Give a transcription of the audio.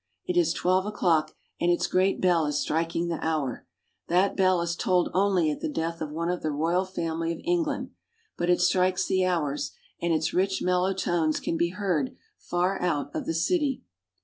It is twelve o'clock, and its great bell is striking the hour. That bell is tolled only at the death of one of the royal family of England, but it strikes the hours, and its rich mellow tones can be heard far out of the city.